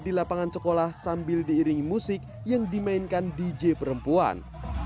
di lapangan sekolah sambil diiringi musik yang dimainkan dj perempuan